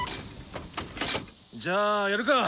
じゃあやるか。